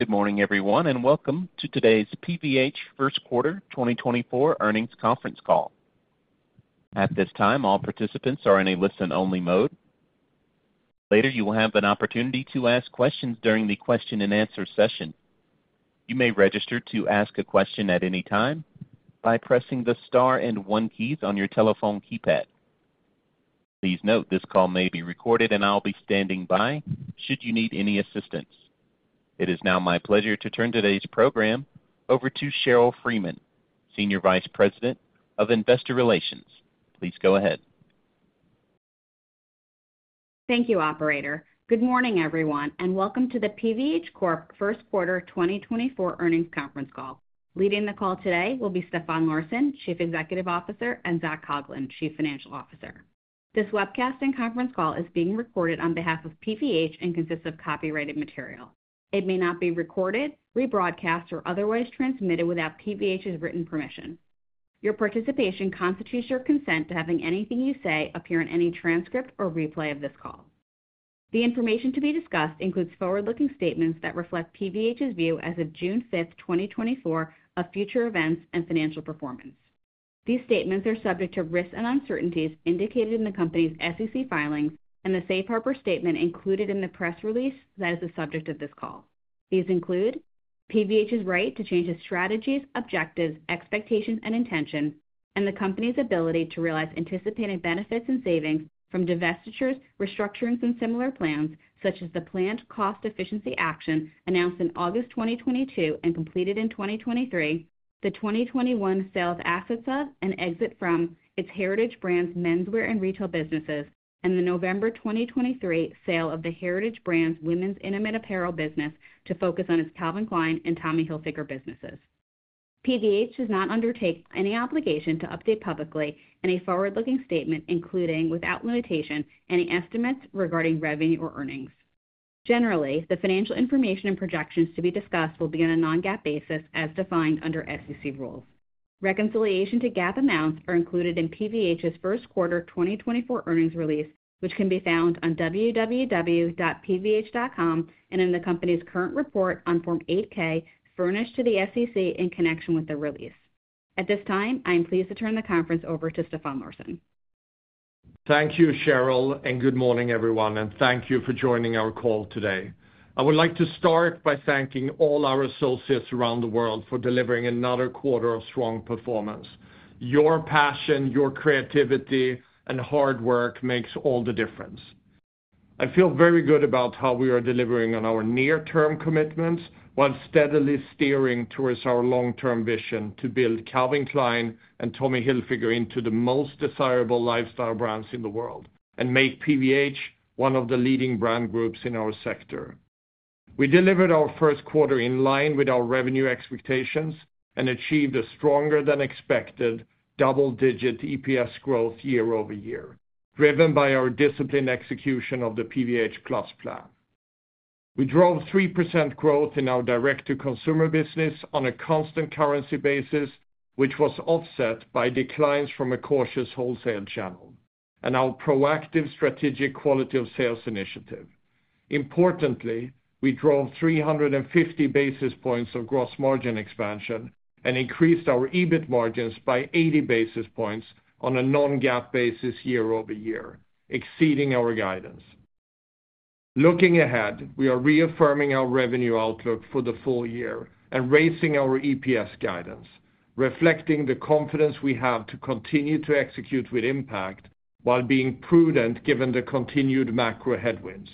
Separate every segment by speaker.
Speaker 1: Good morning, everyone, and welcome to today's PVH first quarter 2024 earnings conference call. At this time, all participants are in a listen-only mode. Later, you will have an opportunity to ask questions during the question-and-answer session. You may register to ask a question at any time by pressing the star and one keys on your telephone keypad. Please note, this call may be recorded, and I'll be standing by should you need any assistance. It is now my pleasure to turn today's program over to Sheryl Freeman, Senior Vice President of Investor Relations. Please go ahead.
Speaker 2: Thank you, operator. Good morning, everyone, and welcome to the PVH Corp first quarter 2024 earnings conference call. Leading the call today will be Stefan Larsson, Chief Executive Officer, and Zac Coughlin, Chief Financial Officer. This webcast and conference call is being recorded on behalf of PVH and consists of copyrighted material. It may not be recorded, rebroadcast, or otherwise transmitted without PVH's written permission. Your participation constitutes your consent to having anything you say appear in any transcript or replay of this call. The information to be discussed includes forward-looking statements that reflect PVH's view as of 5th June, 2024, of future events and financial performance. These statements are subject to risks and uncertainties indicated in the company's SEC filings and the safe harbor statement included in the press release that is the subject of this call. These include PVH's right to change its strategies, objectives, expectations, and intentions, and the company's ability to realize anticipated benefits and savings from divestitures, restructurings, and similar plans, such as the planned cost efficiency action announced in August 2022 and completed in 2023, the 2021 sale of assets of and exit from its Heritage Brands menswear and retail businesses, and the November 2023 sale of the Heritage Brands women's intimate apparel business to focus on its Calvin Klein and Tommy Hilfiger businesses. PVH does not undertake any obligation to update publicly any forward-looking statement, including, without limitation, any estimates regarding revenue or earnings. Generally, the financial information and projections to be discussed will be on a non-GAAP basis as defined under SEC rules. Reconciliation to GAAP amounts are included in PVH's first quarter 2024 earnings release, which can be found on www.pvh.com and in the company's current report on Form 8-K, furnished to the SEC in connection with the release. At this time, I am pleased to turn the conference over to Stefan Larsson.
Speaker 3: Thank you, Sheryl, and good morning, everyone, and thank you for joining our call today. I would like to start by thanking all our associates around the world for delivering another quarter of strong performance. Your passion, your creativity, and hard work makes all the difference. I feel very good about how we are delivering on our near-term commitments, while steadily steering towards our long-term vision to build Calvin Klein and Tommy Hilfiger into the most desirable lifestyle brands in the world and make PVH one of the leading brand groups in our sector. We delivered our first quarter in line with our revenue expectations and achieved a stronger than expected double-digit EPS growth year over year, driven by our disciplined execution of the PVH+ Plan. We drove 3% growth in our direct-to-consumer business on a constant currency basis, which was offset by declines from a cautious wholesale channel and our proactive strategic quality of sales initiative. Importantly, we drove 350 basis points of gross margin expansion and increased our EBIT margins by 80 basis points on a non-GAAP basis year-over-year, exceeding our guidance. Looking ahead, we are reaffirming our revenue outlook for the full year and raising our EPS guidance, reflecting the confidence we have to continue to execute with impact while being prudent, given the continued macro headwinds.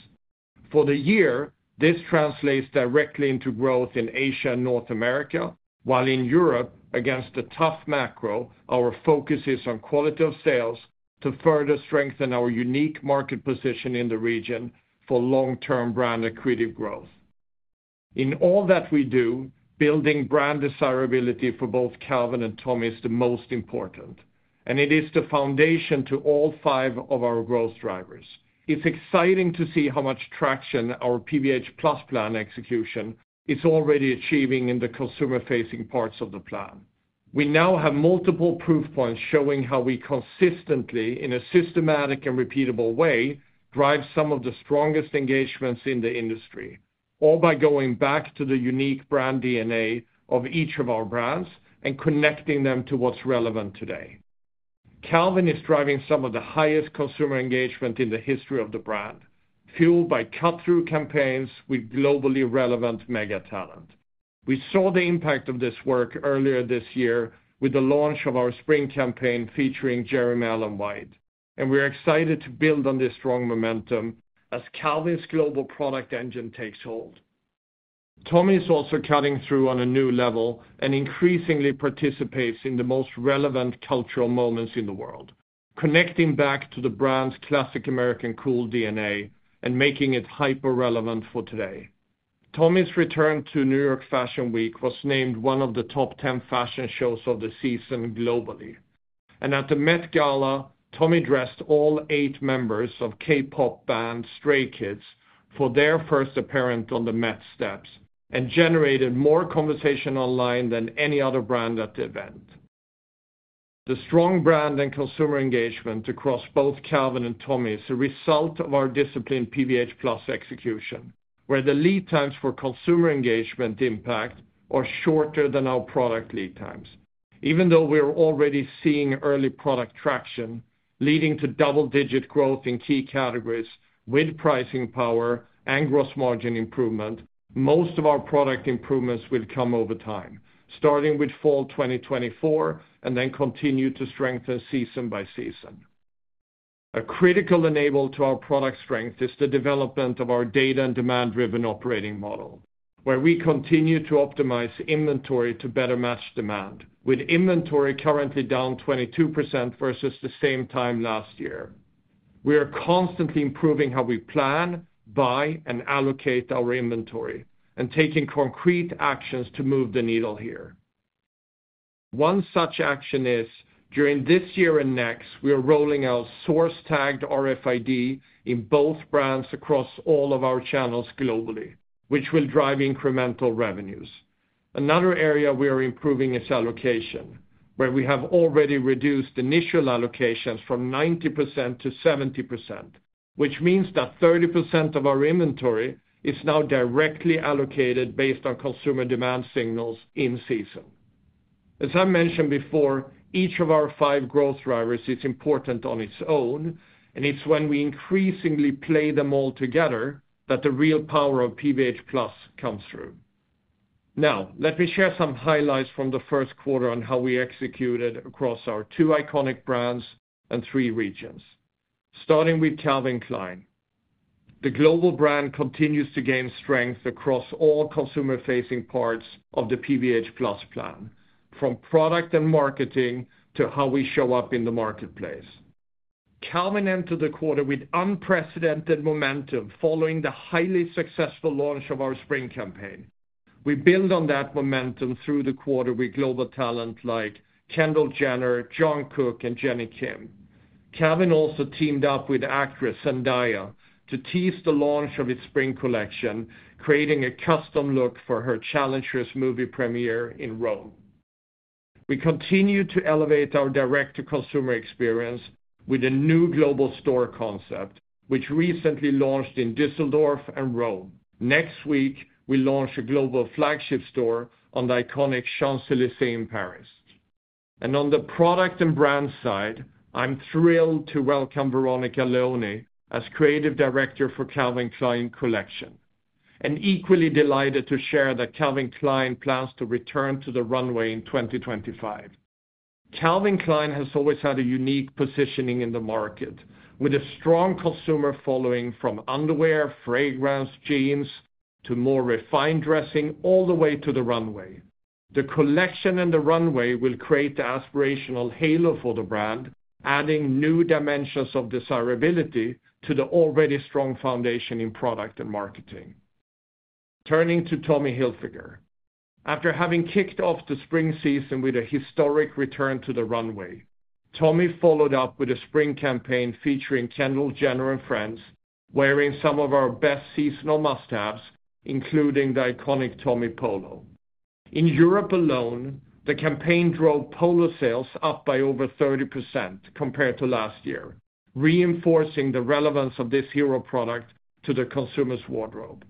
Speaker 3: For the year, this translates directly into growth in Asia and North America, while in Europe, against a tough macro, our focus is on quality of sales to further strengthen our unique market position in the region for long-term brand accretive growth. In all that we do, building brand desirability for both Calvin and Tommy is the most important, and it is the foundation to all five of our growth drivers. It's exciting to see how much traction our PVH+ Plan execution is already achieving in the consumer-facing parts of the plan. We now have multiple proof points showing how we consistently, in a systematic and repeatable way, drive some of the strongest engagements in the industry, all by going back to the unique brand DNA of each of our brands and connecting them to what's relevant today. Calvin is driving some of the highest consumer engagement in the history of the brand, fueled by cut-through campaigns with globally relevant mega talent. We saw the impact of this work earlier this year with the launch of our spring campaign featuring Jeremy Allen White, and we are excited to build on this strong momentum as Calvin's global product engine takes hold. Tommy is also cutting through on a new level and increasingly participates in the most relevant cultural moments in the world, connecting back to the brand's classic American cool DNA and making it hyper-relevant for today. Tommy's return to New York Fashion Week was named one of the top ten fashion shows of the season globally. At the Met Gala, Tommy dressed all eight members of K-pop band Stray Kids for their first appearance on the Met steps and generated more conversation online than any other brand at the event. The strong brand and consumer engagement across both Calvin and Tommy is a result of our disciplined PVH + execution, where the lead times for consumer engagement impact are shorter than our product lead times. Even though we are already seeing early product traction, leading to double-digit growth in key categories with pricing power and gross margin improvement, most of our product improvements will come over time, starting with fall 2024, and then continue to strengthen season by season. A critical enabler to our product strength is the development of our data and demand-driven operating model, where we continue to optimize inventory to better match demand, with inventory currently down 22% versus the same time last year. We are constantly improving how we plan, buy, and allocate our inventory, and taking concrete actions to move the needle here. One such action is, during this year and next, we are rolling out Source Tagged RFID in both brands across all of our channels globally, which will drive incremental revenues. Another area we are improving is allocation, where we have already reduced initial allocations from 90% to 70%, which means that 30% of our inventory is now directly allocated based on consumer demand signals in-season. As I mentioned before, each of our five growth drivers is important on its own, and it's when we increasingly play them all together that the real power of PVH + comes through. Now, let me share some highlights from the first quarter on how we executed across our two iconic brands and three regions. Starting with Calvin Klein. The global brand continues to gain strength across all consumer-facing parts of the PVH+ Plan, from product and marketing to how we show up in the marketplace. Calvin entered the quarter with unprecedented momentum following the highly successful launch of our spring campaign. We build on that momentum through the quarter with global talent like Kendall Jenner, Jungkook, and Jennie Kim. Calvin also teamed up with actress Zendaya to tease the launch of its spring collection, creating a custom look for her Challengers movie premiere in Rome. We continue to elevate our direct-to-consumer experience with a new global store concept, which recently launched in Düsseldorf and Rome. Next week, we launch a global flagship store on the iconic Champs-Élysées in Paris. On the product and brand side, I'm thrilled to welcome Veronica Leoni as Creative Director for Calvin Klein Collection, and equally delighted to share that Calvin Klein plans to return to the runway in 2025. Calvin Klein has always had a unique positioning in the market, with a strong consumer following from underwear, fragrance, jeans, to more refined dressing, all the way to the runway. The collection and the runway will create the aspirational halo for the brand, adding new dimensions of desirability to the already strong foundation in product and marketing. Turning to Tommy Hilfiger. After having kicked off the spring season with a historic return to the runway, Tommy followed up with a spring campaign featuring Kendall Jenner and friends, wearing some of our best seasonal must-haves, including the iconic Tommy Polo. In Europe alone, the campaign drove polo sales up by over 30% compared to last year, reinforcing the relevance of this hero product to the consumer's wardrobe.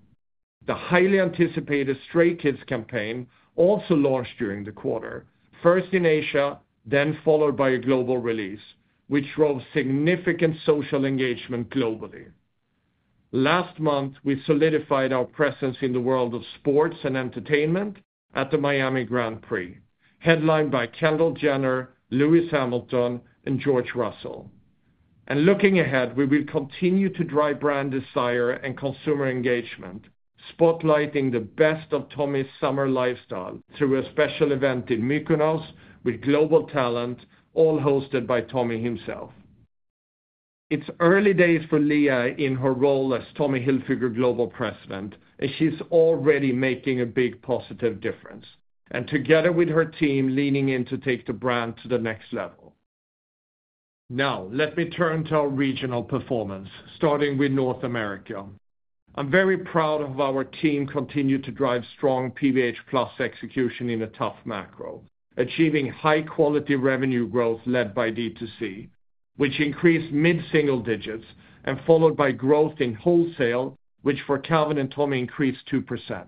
Speaker 3: The highly anticipated Stray Kids campaign also launched during the quarter, first in Asia, then followed by a global release, which drove significant social engagement globally. Last month, we solidified our presence in the world of sports and entertainment at the Miami Grand Prix, headlined by Kendall Jenner, Lewis Hamilton, and George Russell. Looking ahead, we will continue to drive brand desire and consumer engagement, spotlighting the best of Tommy's summer lifestyle through a special event in Mykonos with global talent, all hosted by Tommy himself. It's early days for Lea in her role as Tommy Hilfiger Global President, and she's already making a big, positive difference, and together with her team, leaning in to take the brand to the next level. Now, let me turn to our regional performance, starting with North America. I'm very proud of our team, continue to drive strong PVH + execution in a tough macro, achieving high-quality revenue growth led by D2C, which increased mid-single digits and followed by growth in wholesale, which for Calvin and Tommy increased 2%.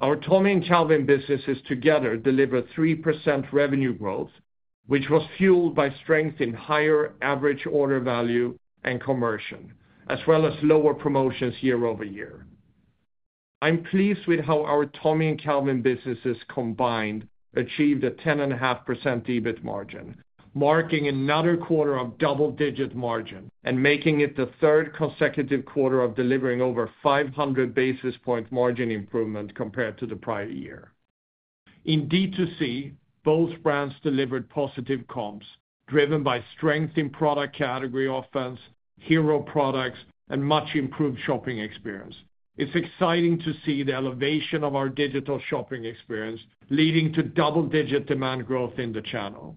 Speaker 3: Our Tommy and Calvin businesses together delivered 3% revenue growth, which was fueled by strength in higher average order value and conversion, as well as lower promotions year-over-year. I'm pleased with how our Tommy and Calvin businesses combined achieved a 10.5% EBIT margin, marking another quarter of double-digit margin and making it the third consecutive quarter of delivering over 500 basis point margin improvement compared to the prior year. In D2C, both brands delivered positive comps, driven by strength in product category offense, hero products, and much improved shopping experience. It's exciting to see the elevation of our digital shopping experience, leading to double-digit demand growth in the channel.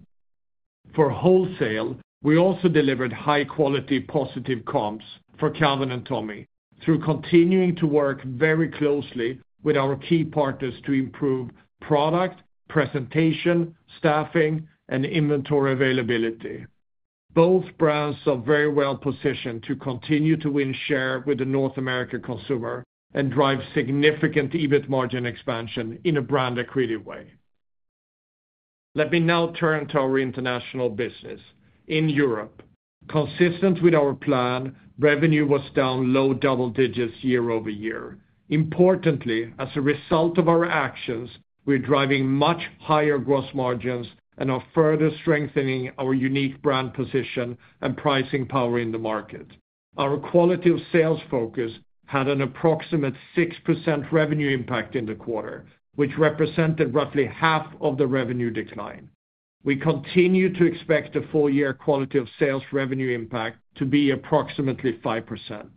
Speaker 3: For wholesale, we also delivered high-quality, positive comps for Calvin and Tommy through continuing to work very closely with our key partners to improve product, presentation, staffing, and inventory availability. Both brands are very well positioned to continue to win share with the North American consumer and drive significant EBIT margin expansion in a brand-accretive way. Let me now turn to our international business. In Europe, consistent with our plan, revenue was down low double digits year-over-year. Importantly, as a result of our actions, we're driving much higher gross margins and are further strengthening our unique brand position and pricing power in the market. Our quality of sales focus had an approximate 6% revenue impact in the quarter, which represented roughly half of the revenue decline. We continue to expect the full year quality of sales revenue impact to be approximately 5%.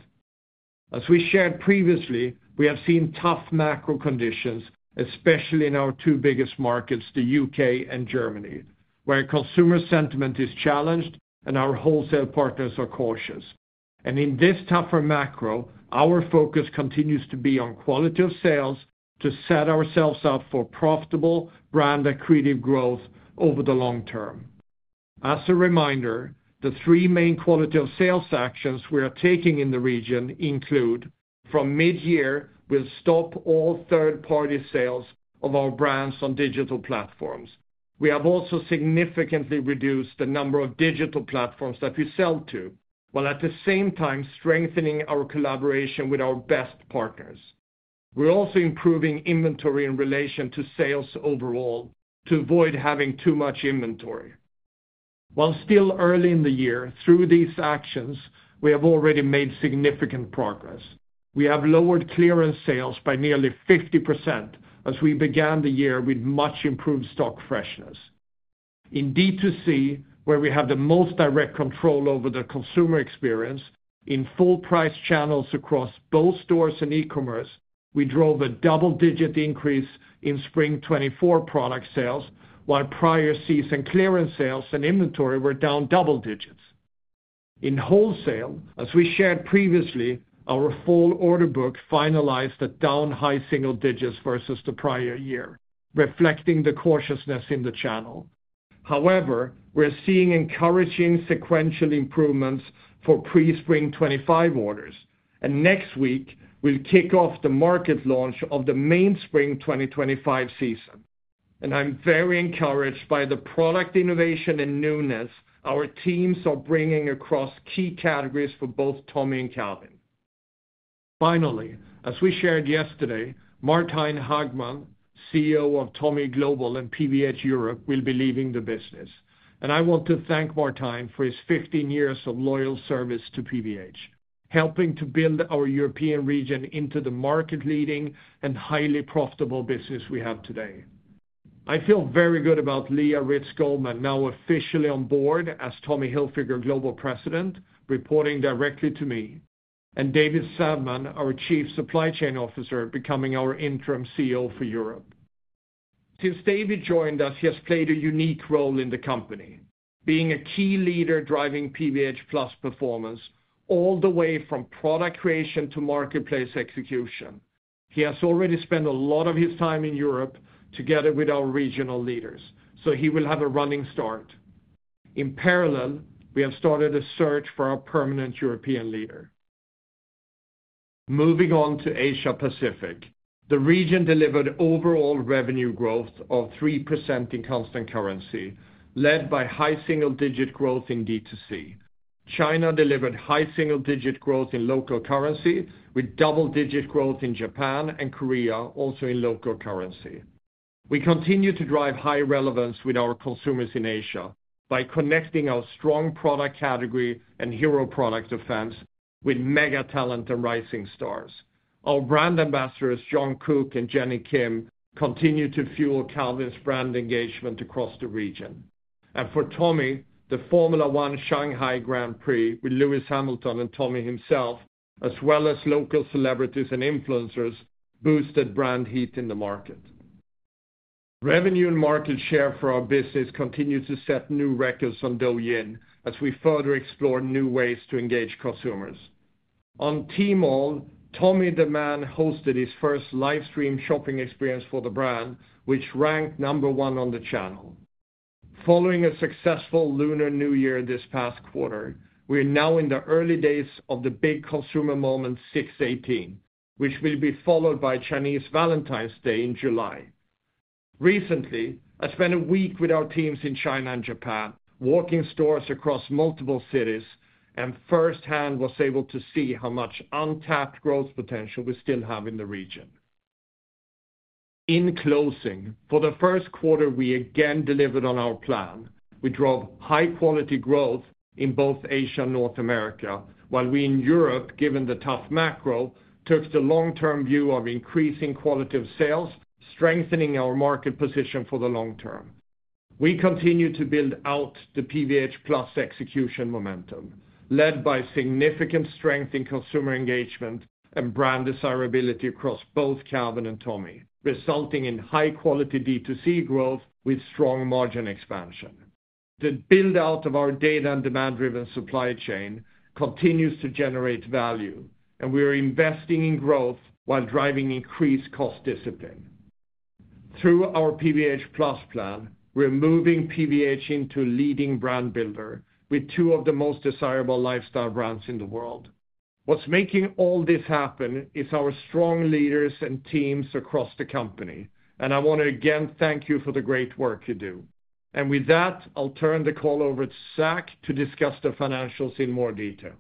Speaker 3: As we shared previously, we have seen tough macro conditions, especially in our two biggest markets, the UK and Germany, where consumer sentiment is challenged and our wholesale partners are cautious. In this tougher macro, our focus continues to be on quality of sales to set ourselves up for profitable, brand-accretive growth over the long term. As a reminder, the 3 main quality of sales actions we are taking in the region include, from mid-year, we'll stop all third-party sales of our brands on digital platforms. We have also significantly reduced the number of digital platforms that we sell to, while at the same time strengthening our collaboration with our best partners. We're also improving inventory in relation to sales overall to avoid having too much inventory. While still early in the year, through these actions, we have already made significant progress. We have lowered clearance sales by nearly 50% as we began the year with much improved stock freshness. In D2C, where we have the most direct control over the consumer experience, in full price channels across both stores and e-commerce, we drove a double-digit increase in spring 2024 product sales, while prior season clearance sales and inventory were down double digits. In wholesale, as we shared previously, our fall order book finalized at down high single digits versus the prior year, reflecting the cautiousness in the channel. However, we're seeing encouraging sequential improvements for pre-spring 2025 orders, and next week, we'll kick off the market launch of the main spring 2025 season. I'm very encouraged by the product innovation and newness our teams are bringing across key categories for both Tommy and Calvin. Finally, as we shared yesterday, Martijn Hagman, CEO of Tommy Global and PVH Europe, will be leaving the business, and I want to thank Martijn for his 15 years of loyal service to PVH, helping to build our European region into the market-leading and highly profitable business we have today. I feel very good about Lea Rytz Goldman, now officially on board as Tommy Hilfiger Global President, reporting directly to me, and David Savman, our Chief Supply Chain Officer, becoming our interim CEO for Europe. Since David joined us, he has played a unique role in the company, being a key leader driving PVH+ Plan performance all the way from product creation to marketplace execution. He has already spent a lot of his time in Europe together with our regional leaders, so he will have a running start. In parallel, we have started a search for our permanent European leader. Moving on to Asia Pacific, the region delivered overall revenue growth of 3% in constant currency, led by high single-digit growth in D2C. China delivered high single-digit growth in local currency, with double-digit growth in Japan and Korea, also in local currency. We continue to drive high relevance with our consumers in Asia by connecting our strong product category and hero product offense with mega talent and rising stars. Our brand ambassadors, Jungkook and Jennie Kim, continue to fuel Calvin's brand engagement across the region. For Tommy, the Formula One Shanghai Grand Prix with Lewis Hamilton and Tommy himself, as well as local celebrities and influencers, boosted brand heat in the market. Revenue and market share for our business continued to set new records on Douyin as we further explore new ways to engage consumers. On Tmall, Tommy the Man hosted his first live stream shopping experience for the brand, which ranked number one on the channel. Following a successful Lunar New Year this past quarter, we are now in the early days of the big consumer moment, 618, which will be followed by Chinese Valentine's Day in July. Recently, I spent a week with our teams in China and Japan, walking stores across multiple cities, and firsthand was able to see how much untapped growth potential we still have in the region. In closing, for the first quarter, we again delivered on our plan. We drove high-quality growth in both Asia and North America, while we in Europe, given the tough macro, took the long-term view of increasing quality of sales, strengthening our market position for the long term. We continue to build out the PVH + execution momentum, led by significant strength in consumer engagement and brand desirability across both Calvin and Tommy, resulting in high-quality D2C growth with strong margin expansion. The build-out of our data and demand-driven supply chain continues to generate value, and we are investing in growth while driving increased cost discipline. Through our PVH + Plan, we're moving PVH into leading brand builder, with two of the most desirable lifestyle brands in the world. What's making all this happen is our strong leaders and teams across the company, and I wanna, again, thank you for the great work you do. And with that, I'll turn the call over to Zac to discuss the financials in more detail.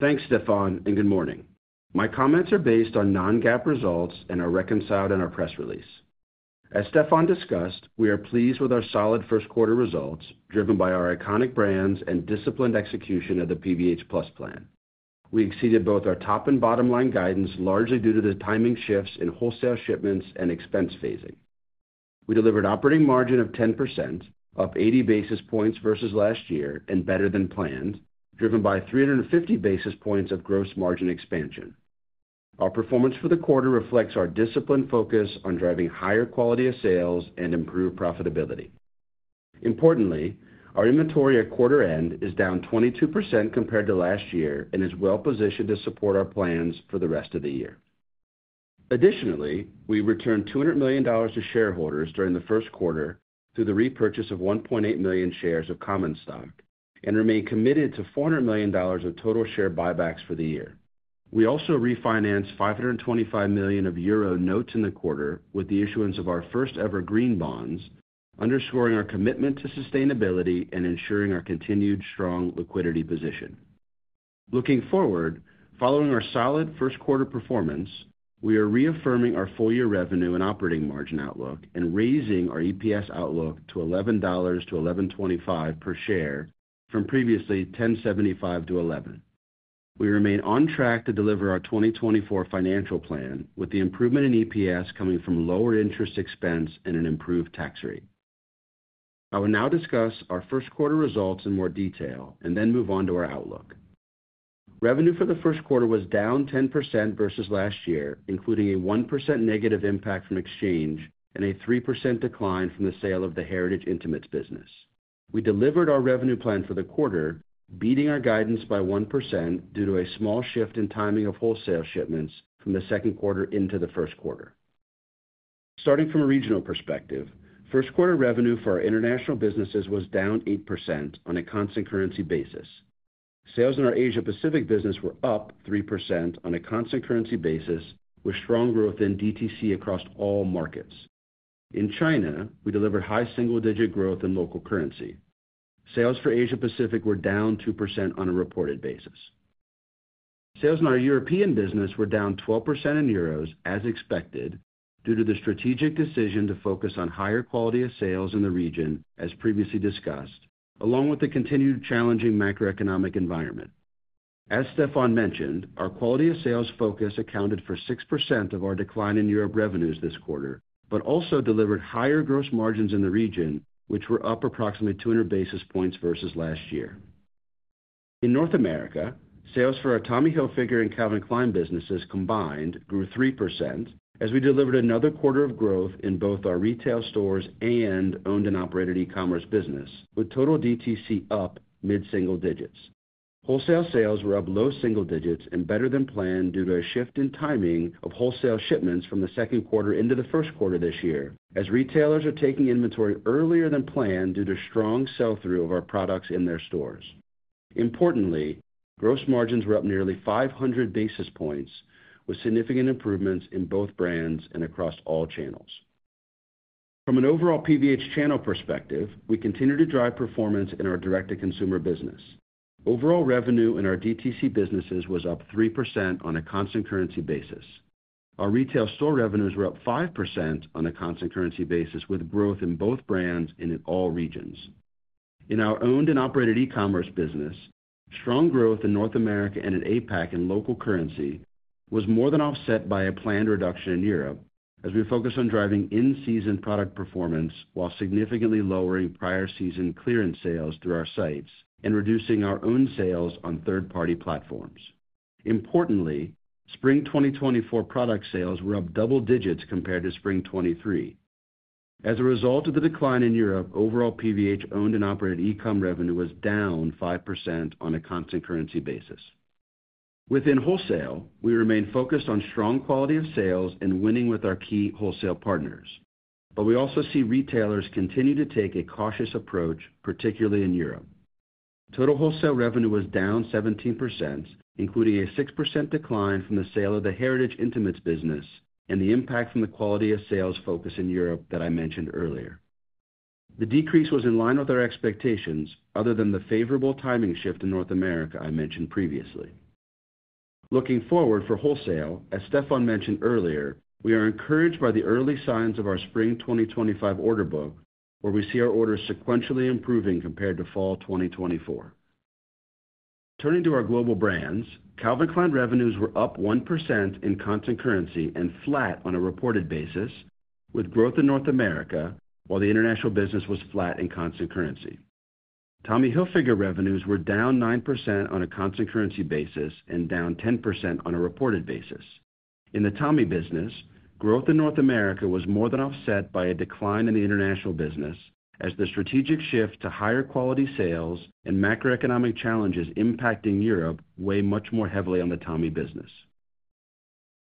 Speaker 4: Thanks, Stefan, and good morning. My comments are based on non-GAAP results and are reconciled in our press release. As Stefan discussed, we are pleased with our solid first quarter results, driven by our iconic brands and disciplined execution of the PVH + Plan. We exceeded both our top and bottom line guidance, largely due to the timing shifts in wholesale shipments and expense phasing. We delivered operating margin of 10%, up 80 basis points versus last year, and better than planned, driven by 350 basis points of gross margin expansion. Our performance for the quarter reflects our disciplined focus on driving higher quality of sales and improved profitability. Importantly, our inventory at quarter end is down 22% compared to last year, and is well-positioned to support our plans for the rest of the year. Additionally, we returned $200 million to shareholders during the first quarter through the repurchase of 1.8 million shares of common stock, and remain committed to $400 million of total share buybacks for the year. We also refinanced 525 million of euro notes in the quarter with the issuance of our first-ever green bonds, underscoring our commitment to sustainability and ensuring our continued strong liquidity position. Looking forward, following our solid first quarter performance, we are reaffirming our full year revenue and operating margin outlook, and raising our EPS outlook to $11-$11.25 per share, from previously $10.75-$11. We remain on track to deliver our 2024 financial plan, with the improvement in EPS coming from lower interest expense and an improved tax rate. I will now discuss our first quarter results in more detail and then move on to our outlook. Revenue for the first quarter was down 10% versus last year, including a 1% negative impact from exchange, and a 3% decline from the sale of the Heritage Intimates business. We delivered our revenue plan for the quarter, beating our guidance by 1%, due to a small shift in timing of wholesale shipments from the second quarter into the first quarter. Starting from a regional perspective, first quarter revenue for our international businesses was down 8% on a constant currency basis. Sales in our Asia Pacific business were up 3% on a constant currency basis, with strong growth in DTC across all markets. In China, we delivered high single-digit growth in local currency. Sales for Asia Pacific were down 2% on a reported basis. Sales in our European business were down 12% in euros, as expected, due to the strategic decision to focus on higher quality of sales in the region, as previously discussed, along with the continued challenging macroeconomic environment. As Stefan mentioned, our quality of sales focus accounted for 6% of our decline in Europe revenues this quarter, but also delivered higher gross margins in the region, which were up approximately 200 basis points versus last year. In North America, sales for our Tommy Hilfiger and Calvin Klein businesses combined grew 3%, as we delivered another quarter of growth in both our retail stores and owned and operated e-commerce business, with total DTC up mid-single digits. Wholesale sales were up low single digits and better than planned due to a shift in timing of wholesale shipments from the second quarter into the first quarter this year, as retailers are taking inventory earlier than planned due to strong sell-through of our products in their stores. Importantly, gross margins were up nearly 500 basis points, with significant improvements in both brands and across all channels. From an overall PVH channel perspective, we continue to drive performance in our direct-to-consumer business. Overall revenue in our DTC businesses was up 3% on a constant currency basis. Our retail store revenues were up 5% on a constant currency basis, with growth in both brands and in all regions. In our owned and operated e-commerce business, strong growth in North America and in APAC and local currency was more than offset by a planned reduction in Europe, as we focus on driving in-season product performance while significantly lowering prior season clearance sales through our sites and reducing our own sales on third-party platforms. Importantly, spring 2024 product sales were up double digits compared to spring 2023. As a result of the decline in Europe, overall PVH owned and operated e-com revenue was down 5% on a constant currency basis. Within wholesale, we remain focused on strong quality of sales and winning with our key wholesale partners, but we also see retailers continue to take a cautious approach, particularly in Europe. Total wholesale revenue was down 17%, including a 6% decline from the sale of the Heritage Intimates business and the impact from the quality of sales focus in Europe that I mentioned earlier. The decrease was in line with our expectations, other than the favorable timing shift in North America I mentioned previously. Looking forward for wholesale, as Stefan mentioned earlier, we are encouraged by the early signs of our spring 2025 order book, where we see our orders sequentially improving compared to fall 2024. Turning to our global brands, Calvin Klein revenues were up 1% in constant currency and flat on a reported basis, with growth in North America, while the international business was flat in constant currency. Tommy Hilfiger revenues were down 9% on a constant currency basis and down 10% on a reported basis. In the Tommy business, growth in North America was more than offset by a decline in the international business, as the strategic shift to higher quality sales and macroeconomic challenges impacting Europe weigh much more heavily on the Tommy business.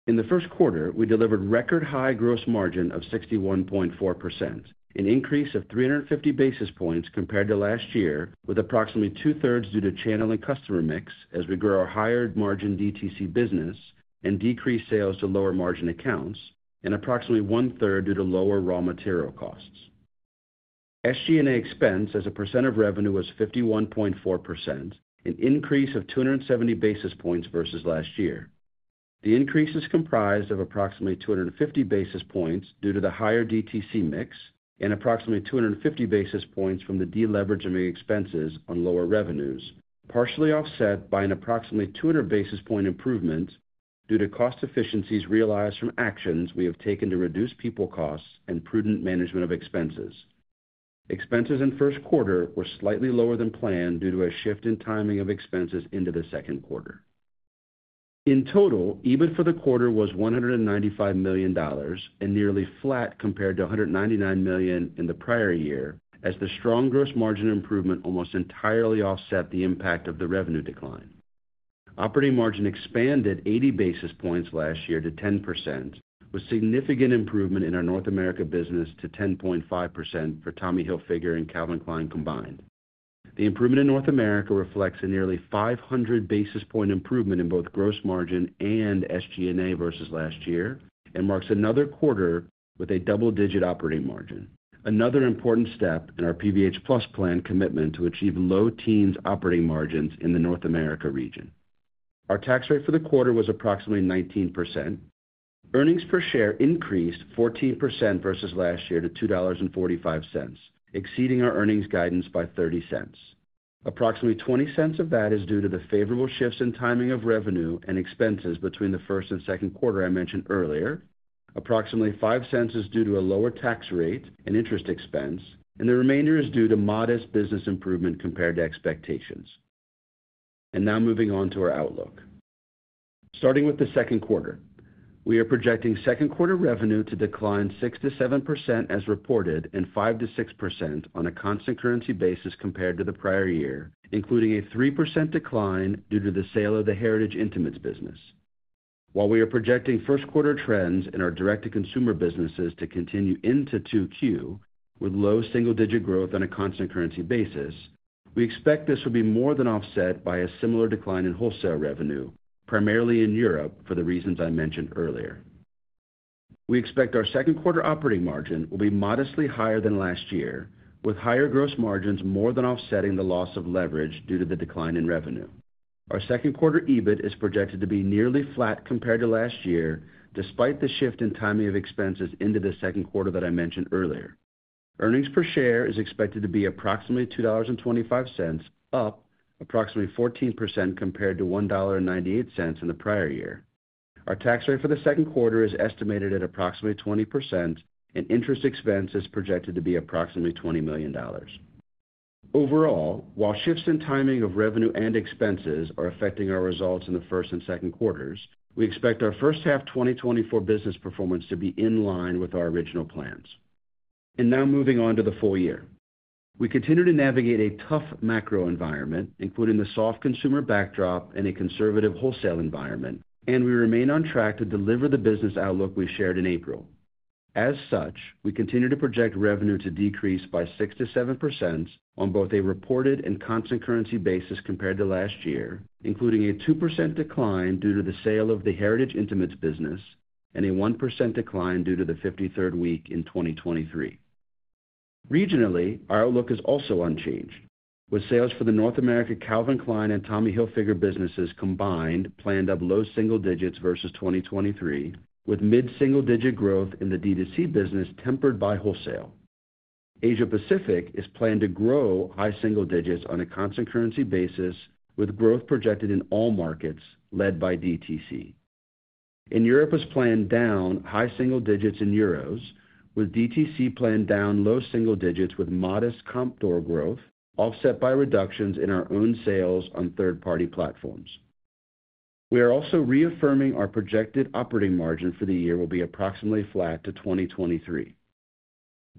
Speaker 4: In the first quarter, we delivered record-high gross margin of 61.4%, an increase of 350 basis points compared to last year, with approximately two-thirds due to channel and customer mix as we grow our higher-margin DTC business and decrease sales to lower-margin accounts, and approximately 1/3 due to lower raw material costs. SG&A expense as a percent of revenue was 51.4%, an increase of 270 basis points versus last year. The increase is comprised of approximately 250 basis points due to the higher DTC mix and approximately 250 basis points from the deleveraging of expenses on lower revenues, partially offset by an approximately 200 basis point improvement due to cost efficiencies realized from actions we have taken to reduce people costs and prudent management of expenses. Expenses in first quarter were slightly lower than planned due to a shift in timing of expenses into the second quarter. In total, EBIT for the quarter was $195 million and nearly flat compared to $199 million in the prior year, as the strong gross margin improvement almost entirely offset the impact of the revenue decline. Operating margin expanded 80 basis points last year to 10%, with significant improvement in our North America business to 10.5% for Tommy Hilfiger and Calvin Klein combined. The improvement in North America reflects a nearly 500 basis point improvement in both gross margin and SG&A versus last year, and marks another quarter with a double-digit operating margin. Another important step in our PVH + Plan commitment to achieve low teens operating margins in the North America region. Our tax rate for the quarter was approximately 19%. Earnings per share increased 14% versus last year to $2.45, exceeding our earnings guidance by $0.30. Approximately $0.20 of that is due to the favorable shifts in timing of revenue and expenses between the first and second quarter I mentioned earlier. Approximately $0.05 is due to a lower tax rate and interest expense, and the remainder is due to modest business improvement compared to expectations. Now moving on to our outlook. Starting with the second quarter, we are projecting second quarter revenue to decline 6%-7% as reported, and 5%-6% on a constant currency basis compared to the prior year, including a 3% decline due to the sale of the Heritage Intimates business. While we are projecting first quarter trends in our direct-to-consumer businesses to continue into 2Q, with low single-digit growth on a constant currency basis, we expect this will be more than offset by a similar decline in wholesale revenue, primarily in Europe, for the reasons I mentioned earlier. We expect our second quarter operating margin will be modestly higher than last year, with higher gross margins more than offsetting the loss of leverage due to the decline in revenue. Our second quarter EBIT is projected to be nearly flat compared to last year, despite the shift in timing of expenses into the second quarter that I mentioned earlier. Earnings per share is expected to be approximately $2.25, up approximately 14% compared to $1.98 in the prior year. Our tax rate for the second quarter is estimated at approximately 20%, and interest expense is projected to be approximately $20 million. Overall, while shifts in timing of revenue and expenses are affecting our results in the first and second quarters, we expect our first half 2024 business performance to be in line with our original plans. Now moving on to the full year. We continue to navigate a tough macro environment, including the soft consumer backdrop and a conservative wholesale environment, and we remain on track to deliver the business outlook we shared in April. As such, we continue to project revenue to decrease by 6%-7% on both a reported and constant currency basis compared to last year, including a 2% decline due to the sale of the Heritage Intimates business and a 1% decline due to the 53rd week in 2023. Regionally, our outlook is also unchanged, with sales for the North America Calvin Klein and Tommy Hilfiger businesses combined planned up low single digits versus 2023, with mid-single-digit growth in the DTC business, tempered by wholesale. Asia Pacific is planned to grow high single digits on a constant currency basis, with growth projected in all markets, led by DTC. In Europe, is planned down high single digits in euros, with DTC planned down low single digits, with modest comp store growth offset by reductions in our own sales on third-party platforms. We are also reaffirming our projected operating margin for the year will be approximately flat to 2023.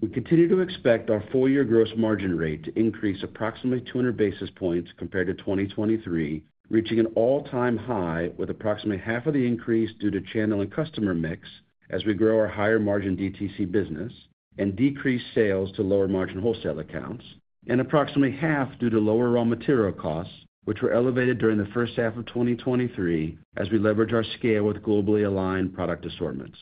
Speaker 4: We continue to expect our full-year gross margin rate to increase approximately 200 basis points compared to 2023, reaching an all-time high with approximately half of the increase due to channel and customer mix as we grow our higher-margin DTC business and decrease sales to lower-margin wholesale accounts, and approximately half due to lower raw material costs, which were elevated during the first half of 2023, as we leverage our scale with globally aligned product assortments.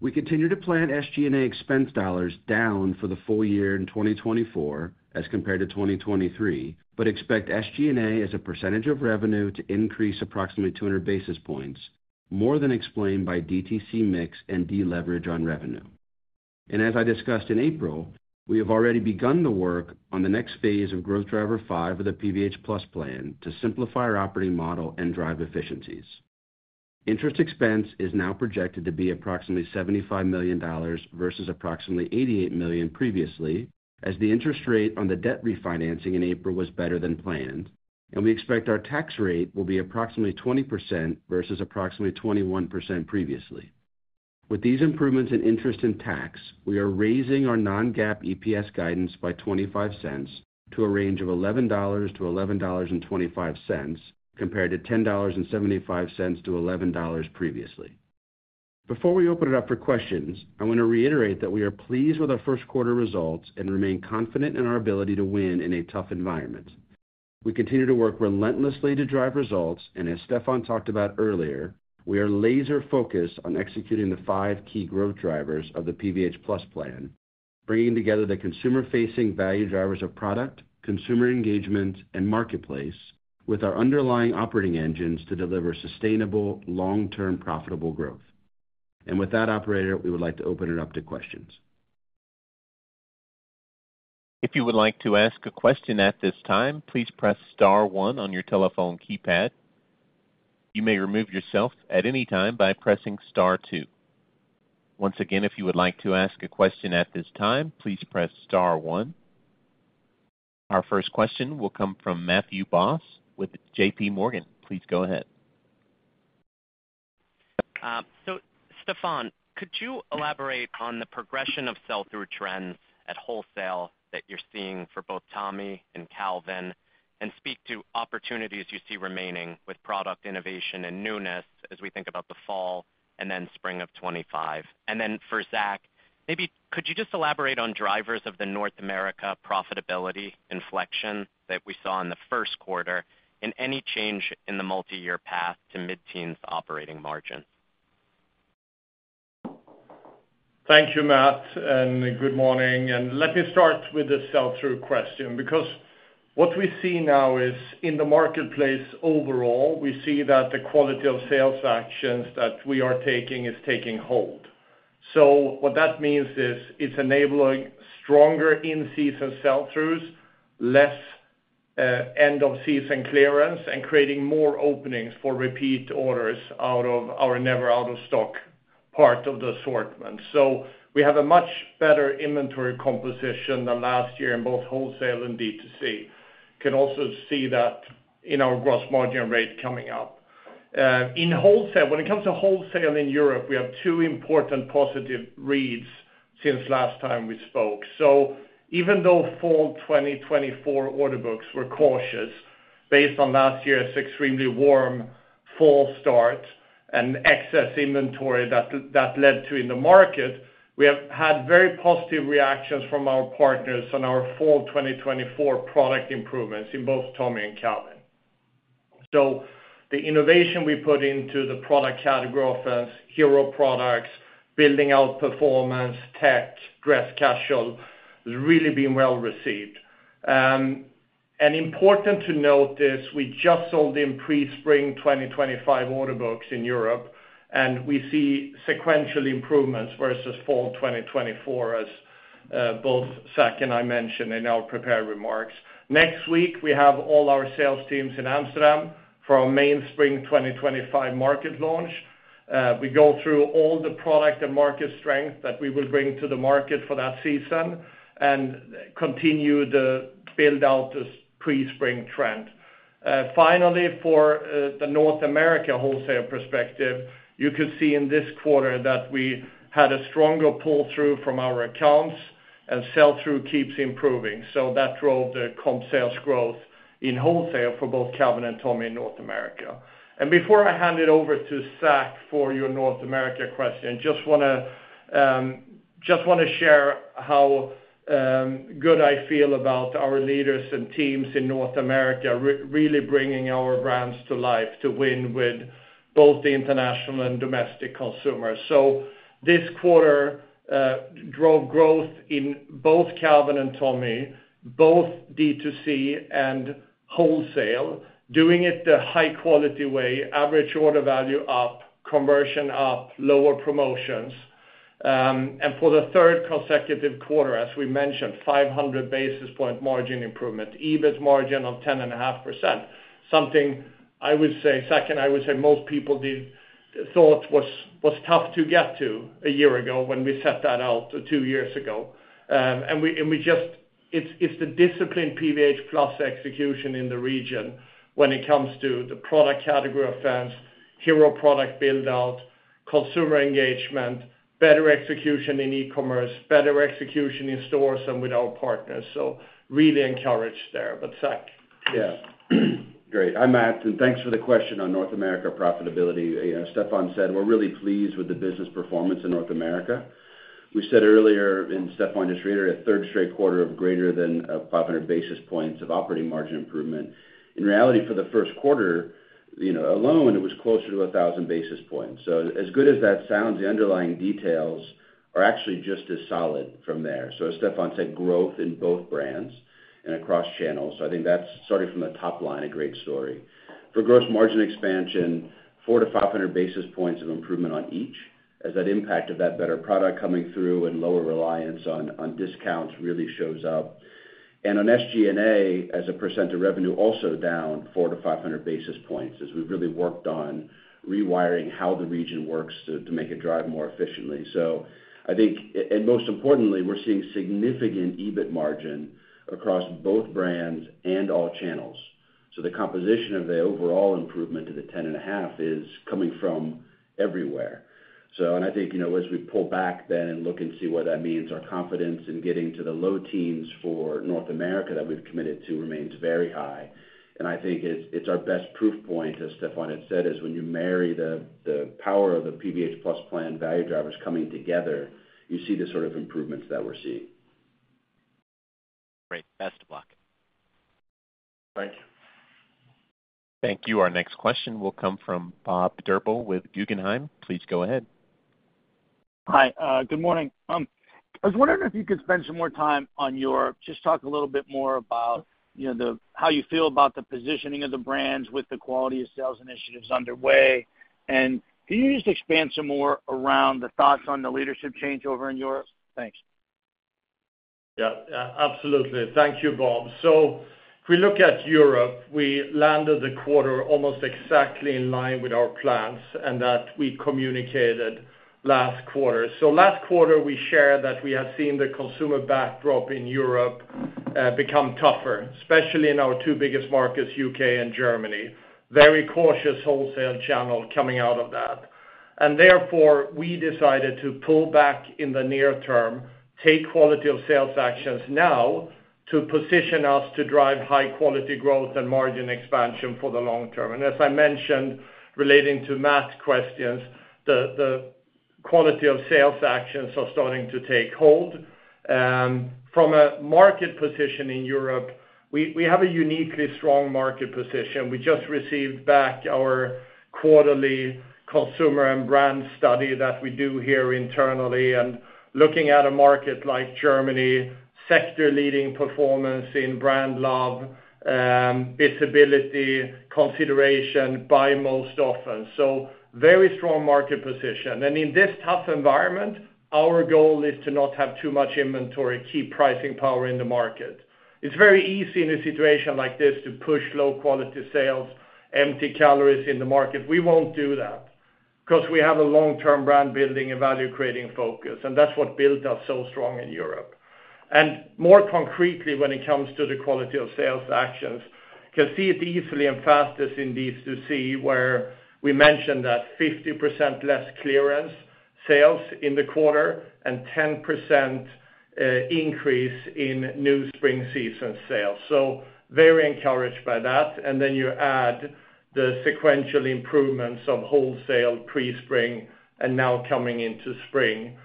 Speaker 4: We continue to plan SG&A expense dollars down for the full year in 2024 as compared to 2023, but expect SG&A as a percentage of revenue to increase approximately 200 basis points, more than explained by DTC mix and deleverage on revenue. As I discussed in April, we have already begun the work on the next phase of Growth Driver Five of the PVH + Plan to simplify our operating model and drive efficiencies. Interest expense is now projected to be approximately $75 million, versus approximately $88 million previously, as the interest rate on the debt refinancing in April was better than planned, and we expect our tax rate will be approximately 20% versus approximately 21% previously. With these improvements in interest and tax, we are raising our non-GAAP EPS guidance by 25 cents to a range of $11-$11.25, compared to $10.75-$11 previously. Before we open it up for questions, I want to reiterate that we are pleased with our first quarter results and remain confident in our ability to win in a tough environment. We continue to work relentlessly to drive results, and as Stefan talked about earlier, we are laser focused on executing the five key growth drivers of the PVH + Plan, bringing together the consumer-facing value drivers of product, consumer engagement, and marketplace with our underlying operating engines to deliver sustainable, long-term, profitable growth. With that, operator, we would like to open it up to questions.
Speaker 1: If you would like to ask a question at this time, please press star one on your telephone keypad. You may remove yourself at any time by pressing star two. Once again, if you would like to ask a question at this time, please press star one. Our first question will come from Matthew Boss with JP Morgan. Please go ahead.
Speaker 5: So Stefan, could you elaborate on the progression of sell-through trends at wholesale that you're seeing for both Tommy and Calvin, and speak to opportunities you see remaining with product innovation and newness as we think about the fall and then spring of 2025? And then for Zac, maybe could you just elaborate on drivers of the North America profitability inflection that we saw in the first quarter and any change in the multiyear path to mid-teens operating margin?
Speaker 3: Thank you, Matt, and good morning. Let me start with the sell-through question, because what we see now is in the marketplace overall, we see that the quality of sales actions that we are taking is taking hold. So what that means is it's enabling stronger in-season sell-throughs, less end-of-season clearance, and creating more openings for repeat orders out of our never out-of-stock part of the assortment. So we have a much better inventory composition than last year in both wholesale and D2C. You can also see that in our gross margin rate coming up. In wholesale, when it comes to wholesale in Europe, we have two important positive reads since last time we spoke. So even though fall 2024 order books were cautious based on last year's extremely warm fall start and excess inventory that, that led to in the market, we have had very positive reactions from our partners on our fall 2024 product improvements in both Tommy and Calvin. So the innovation we put into the product category offense, hero products, building out performance, tech, dress casual, has really been well received. And important to note is we just sold in pre-spring 2025 order books in Europe, and we see sequential improvements versus fall 2024, as both Zach and I mentioned in our prepared remarks. Next week, we have all our sales teams in Amsterdam for our main spring 2025 market launch. We go through all the product and market strength that we will bring to the market for that season and continue to build out this pre-spring trend. Finally, for the North America wholesale perspective, you could see in this quarter that we had a stronger pull-through from our accounts and sell-through keeps improving. So that drove the comp sales growth in wholesale for both Calvin and Tommy in North America. And before I hand it over to Zac for your North America question, just wanna share how good I feel about our leaders and teams in North America really bringing our brands to life to win with both the international and domestic consumers. So this quarter drove growth in both Calvin and Tommy, both D2C and wholesale, doing it the high quality way, average order value up, conversion up, lower promotions. For the third consecutive quarter, as we mentioned, 500 basis point margin improvement, EBIT margin of 10.5%. Something I would say, Zac and I would say most people thought was tough to get to a year ago when we set that out, or two years ago. It's the disciplined PVH + execution in the region when it comes to the product category offense, hero product build out, consumer engagement, better execution in e-commerce, better execution in stores and with our partners. So really encouraged there. But Zac, please.
Speaker 4: Yeah. Great. Hi, Matt, and thanks for the question on North America profitability. As Stefan said, we're really pleased with the business performance in North America. We said earlier, and Stefan just reiterated, a third straight quarter of greater than 500 basis points of operating margin improvement. In reality, for the first quarter, you know, alone, it was closer to 1,000 basis points. So as good as that sounds, the underlying details are actually just as solid from there. So as Stefan said, growth in both brands and across channels. So I think that's, starting from the top line, a great story. For gross margin expansion, 400-500 basis points of improvement on each, as that impact of that better product coming through and lower reliance on discounts really shows up. And on SG&A, as a % of revenue, also down 400-500 basis points, as we've really worked on rewiring how the region works to make it drive more efficiently. So I think, and most importantly, we're seeing significant EBIT margin across both brands and all channels. So the composition of the overall improvement to the 10.5 is coming from everywhere. So, and I think, you know, as we pull back then and look and see what that means, our confidence in getting to the low teens for North America that we've committed to remains very high. And I think it's our best proof point, as Stefan had said, is when you marry the power of the PVH + plan value drivers coming together, you see the sort of improvements that we're seeing.
Speaker 3: Great. Best of luck.
Speaker 4: Thank you.
Speaker 1: Thank you. Our next question will come from Bob Drbul with Guggenheim. Please go ahead.
Speaker 6: Hi, good morning. I was wondering if you could spend some more time on Europe. Just talk a little bit more about, you know, the, how you feel about the positioning of the brands with the quality of sales initiatives underway. And can you just expand some more around the thoughts on the leadership change over in Europe? Thanks.
Speaker 3: Yeah, absolutely. Thank you, Bob. So if we look at Europe, we landed the quarter almost exactly in line with our plans and that we communicated last quarter. So last quarter, we shared that we have seen the consumer backdrop in Europe, become tougher, especially in our two biggest markets, UK and Germany. Very cautious wholesale channel coming out of that. And therefore, we decided to pull back in the near term, take quality of sales actions now to position us to drive high quality growth and margin expansion for the long term. And as I mentioned, relating to Matt's questions, the, the quality of sales actions are starting to take hold. From a market position in Europe, we, we have a uniquely strong market position. We just received back our quarterly consumer and brand study that we do here internally, and looking at a market like Germany, sector leading performance in brand love, visibility, consideration, buy most often. So very strong market position. And in this tough environment, our goal is to not have too much inventory, keep pricing power in the market. It's very easy in a situation like this to push low quality sales, empty calories in the market. We won't do that because we have a long-term brand building and value-creating focus, and that's what built us so strong in Europe. And more concretely, when it comes to the quality of sales actions, you can see it easily and fastest in DC, where we mentioned that 50% less clearance sales in the quarter and 10% increase in new spring season sales. So very encouraged by that. Then you add the sequential improvements of wholesale pre-spring, and now coming into spring,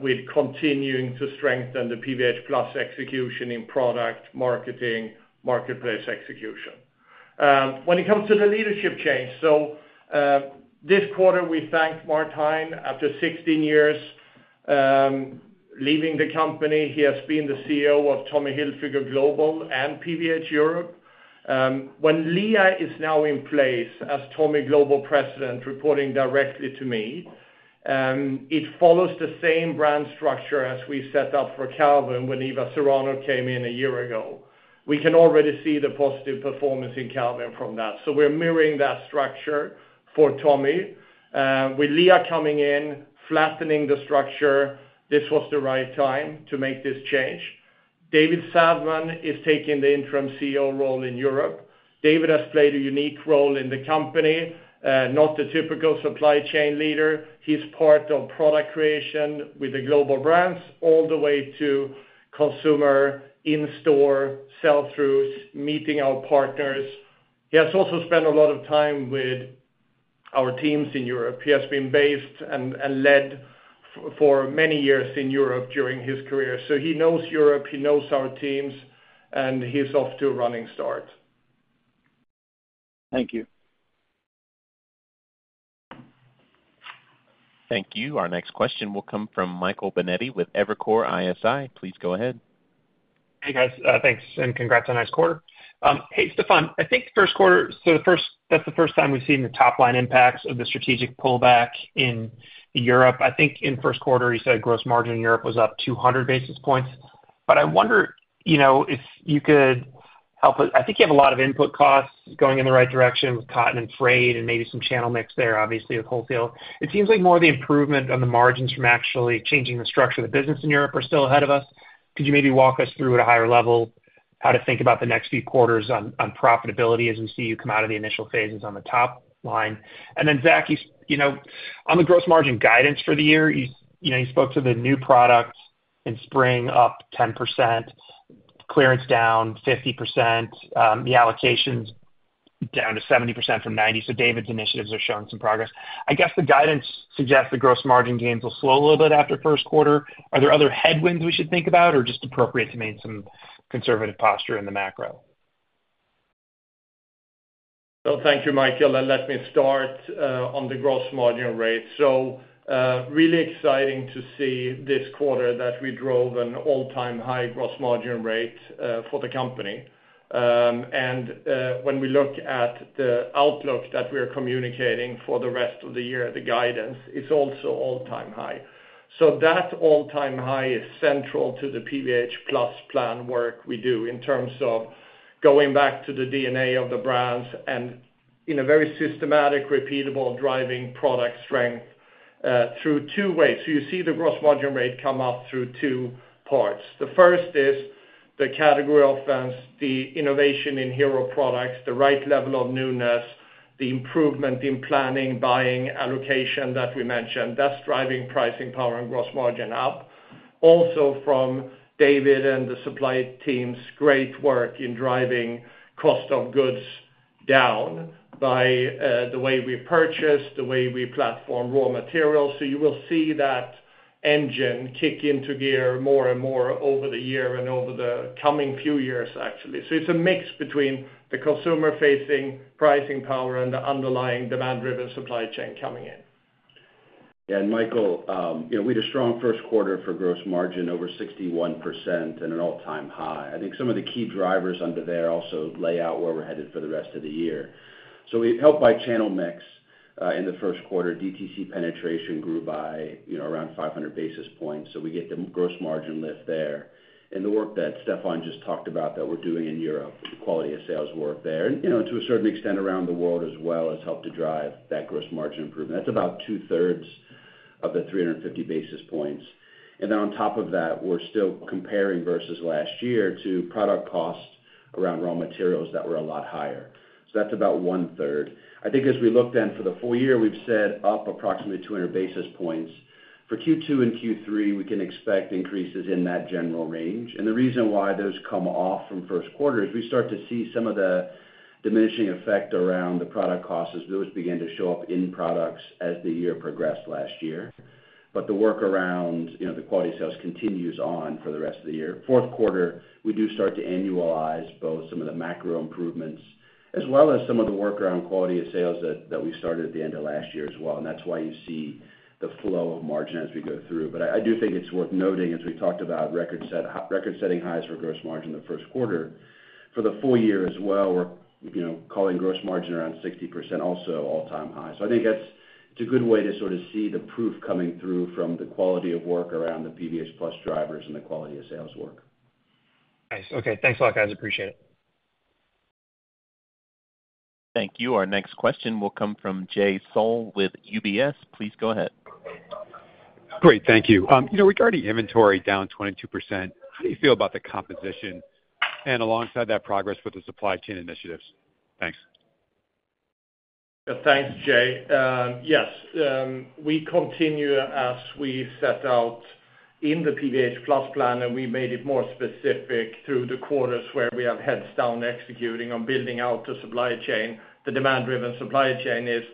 Speaker 3: with continuing to strengthen the PVH + execution in product, marketing, marketplace execution. When it comes to the leadership change, so, this quarter, we thanked Martijn after 16 years, leaving the company. He has been the CEO of Tommy Hilfiger Global and PVH Europe. When Lea is now in place as Tommy Global President, reporting directly to me, it follows the same brand structure as we set up for Calvin when Eva Serrano came in one year ago. We can already see the positive performance in Calvin from that. So we're mirroring that structure for Tommy. With Lea coming in, flattening the structure, this was the right time to make this change. David Savman is taking the interim CEO role in Europe. David has played a unique role in the company, not the typical supply chain leader. He's part of product creation with the global brands all the way to consumer, in-store, sell-throughs, meeting our partners. He has also spent a lot of time with our teams in Europe. He has been based and led for many years in Europe during his career. So he knows Europe, he knows our teams, and he's off to a running start.
Speaker 6: Thank you.
Speaker 1: Thank you. Our next question will come from Michael Binetti with Evercore ISI. Please go ahead.
Speaker 7: Hey, guys, thanks, and congrats on nice quarter. Hey, Stefan, I think first quarter, that's the first time we've seen the top line impacts of the strategic pullback in Europe. I think in first quarter, you said gross margin in Europe was up 200 basis points. But I wonder, you know, if you could help us. I think you have a lot of input costs going in the right direction with cotton and freight and maybe some channel mix there, obviously, with wholesale. It seems like more of the improvement on the margins from actually changing the structure of the business in Europe are still ahead of us. Could you maybe walk us through at a higher level, how to think about the next few quarters on profitability as we see you come out of the initial phases on the top line? Then, Zac, you know, on the gross margin guidance for the year, you, you know, you spoke to the new products in spring up 10%, clearance down 50%, the allocations down to 70% from 90%. So David's initiatives are showing some progress. I guess the guidance suggests the gross margin gains will slow a little bit after first quarter. Are there other headwinds we should think about or just appropriate to maintain some conservative posture in the macro?
Speaker 3: Well, thank you, Michael. And let me start on the gross margin rate. So, really exciting to see this quarter that we drove an all-time high gross margin rate for the company. And when we look at the outlook that we are communicating for the rest of the year, the guidance, it's also all-time high. So that all-time high is central to the PVH+ Plan work we do in terms of going back to the DNA of the brands and in a very systematic, repeatable, driving product strength through two ways. So you see the gross margin rate come up through two parts. The first is the category offense, the innovation in hero products, the right level of newness, the improvement in planning, buying, allocation that we mentioned. That's driving pricing power and gross margin up. Also, from David and the supply team's great work in driving cost of goods down by the way we purchase, the way we platform raw materials. So you will see that engine kick into gear more and more over the year and over the coming few years, actually. So it's a mix between the consumer-facing pricing power and the underlying demand-driven supply chain coming in.
Speaker 4: Yeah, and Michael, you know, we had a strong first quarter for gross margin, over 61% and an all-time high. I think some of the key drivers under there also lay out where we're headed for the rest of the year. So we're helped by channel mix. In the first quarter, DTC penetration grew by, you know, around 500 basis points, so we get the gross margin lift there. And the work that Stefan just talked about that we're doing in Europe, the quality of sales work there, and, you know, to a certain extent, around the world as well, has helped to drive that gross margin improvement. That's about two-thirds of the 350 basis points. And then on top of that, we're still comparing versus last year to product costs around raw materials that were a lot higher. So that's about one-third. I think as we look then for the full year, we've said up approximately 200 basis points. For Q2 and Q3, we can expect increases in that general range. And the reason why those come off from first quarter is we start to see some of the diminishing effect around the product costs as those begin to show up in products as the year progressed last year. But the work around, you know, the quality of sales continues on for the rest of the year. Fourth quarter, we do start to annualize both some of the macro improvements as well as some of the work around quality of sales that we started at the end of last year as well, and that's why you see the flow of margin as we go through. But I do think it's worth noting, as we talked about record-setting highs for gross margin in the first quarter. For the full year as well, we're, you know, calling gross margin around 60%, also all-time high. So I think that's a good way to sort of see the proof coming through from the quality of work around the PVH+ drivers and the quality of sales work.
Speaker 7: Nice. Okay. Thanks a lot, guys. Appreciate it.
Speaker 1: Thank you. Our next question will come from Jay Sole with UBS. Please go ahead.
Speaker 8: Great. Thank you. You know, regarding inventory down 22%, how do you feel about the composition and alongside that progress with the supply chain initiatives? Thanks.
Speaker 3: Thanks, Jay. Yes, we continue, as we set out in the PVH+ Plan, and we made it more specific through the quarters where we have heads down, executing on building out the supply chain. The demand-driven supply chain is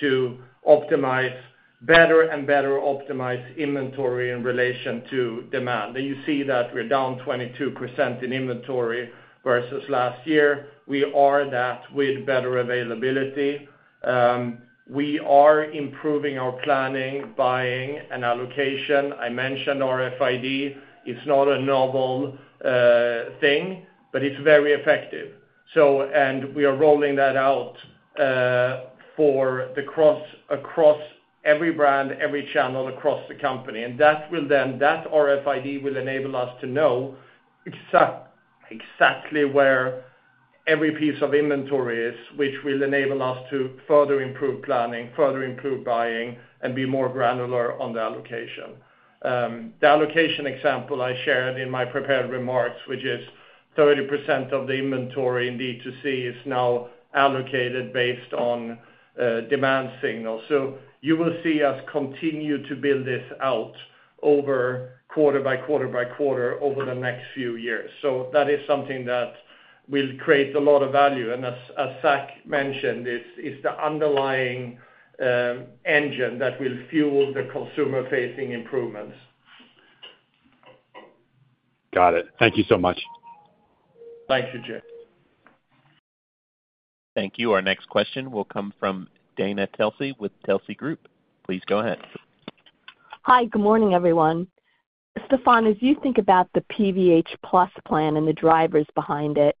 Speaker 3: to optimize better and better optimize inventory in relation to demand. And you see that we're down 22% in inventory versus last year. We are that with better availability. We are improving our planning, buying, and allocation. I mentioned RFID. It's not a novel thing, but it's very effective. And we are rolling that out for the cross- across every brand, every channel across the company. And that will then, that RFID will enable us to know exactly where every piece of inventory is, which will enable us to further improve planning, further improve buying, and be more granular on the allocation. The allocation example I shared in my prepared remarks, which is 30% of the inventory in DTC, is now allocated based on demand signal. So you will see us continue to build this out over quarter by quarter by quarter over the next few years. So that is something that will create a lot of value. And as, as Zac mentioned, it's, it's the underlying engine that will fuel the consumer-facing improvements.
Speaker 8: Got it. Thank you so much.
Speaker 3: Thank you, Jay.
Speaker 1: Thank you. Our next question will come from Dana Telsey with Telsey Group. Please go ahead.
Speaker 9: Hi, good morning, everyone. Stefan, as you think about the PVH+ Plan and the drivers behind it,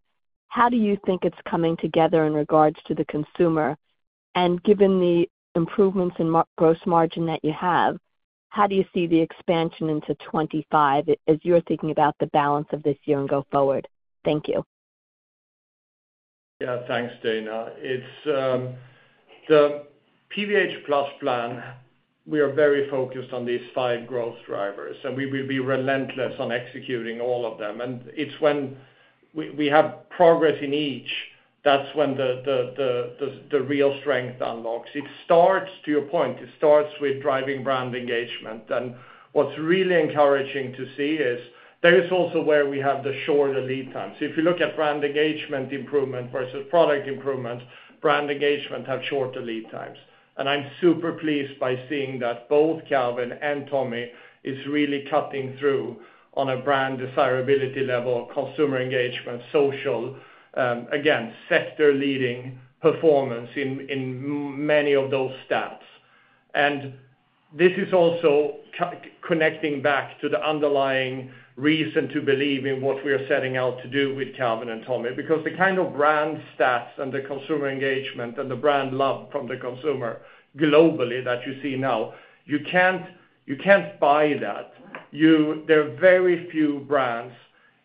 Speaker 9: how do you think it's coming together in regards to the consumer? And given the improvements in margin that you have, how do you see the expansion into 2025 as you're thinking about the balance of this year and go forward? Thank you.
Speaker 3: Yeah, thanks, Dana. It's the PVH+ Plan, we are very focused on these five growth drivers, and we will be relentless on executing all of them. And it's when we have progress in each, that's when the real strength unlocks. It starts, to your point, it starts with driving brand engagement, and what's really encouraging to see is there is also where we have the shorter lead times. If you look at brand engagement improvement versus product improvement, brand engagement have shorter lead times. And I'm super pleased by seeing that both Calvin and Tommy is really cutting through on a brand desirability level, consumer engagement, social, again, sector-leading performance in many of those stats. And this is also connecting back to the underlying reason to believe in what we are setting out to do with Calvin and Tommy, because the kind of brand stats and the consumer engagement and the brand love from the consumer globally that you see now, you can't, you can't buy that. You can't buy that. There are very few brands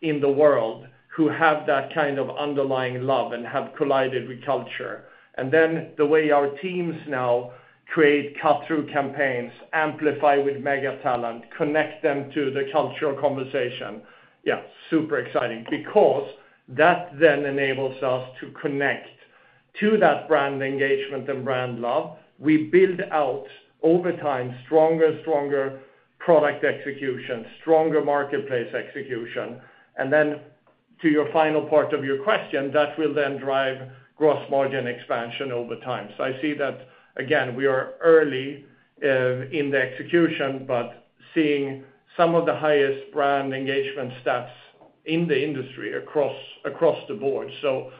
Speaker 3: in the world who have that kind of underlying love and have collided with culture. And then the way our teams now create cut-through campaigns, amplify with mega talent, connect them to the cultural conversation. Yeah, super exciting, because that then enables us to connect to that brand engagement and brand love. We build out, over time, stronger, stronger product execution, stronger marketplace execution. And then to your final part of your question, that will then drive gross margin expansion over time. So I see that, again, we are early in the execution, but seeing some of the highest brand engagement stats in the industry across the board. So,